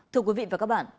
thưa quý vị và các bạn